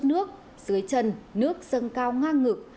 chút nước dưới chân nước dâng cao ngang ngực